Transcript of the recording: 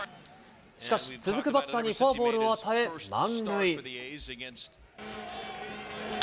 しかし、続くバッターにフォアボールを与え、満塁。